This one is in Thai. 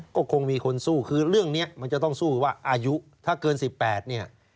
ก็คงมีคนสู้คือเรื่องนี้มันจะต้องสู้ว่าอายุถ้าเกิน๑๘เนี่ย